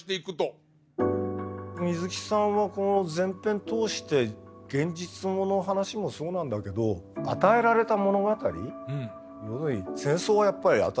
水木さんはこの全編通して現実ものの話もそうなんだけど与えられた物語要するに戦争はやっぱり与えられた国家の物語じゃないですか。